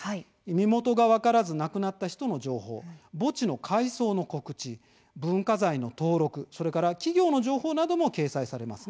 身元が分からず亡くなった人の情報墓地の改葬の告知文化財の登録、それから企業の情報なども掲載されます。